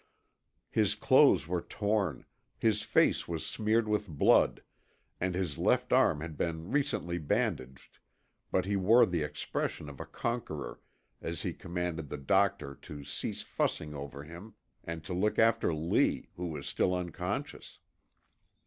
His clothes were torn, his face was smeared with blood, and his left arm had been recently bandaged, but he wore the expression of a conqueror, as he commanded the doctor to cease fussing over him and to look after Lee, who was still unconscious.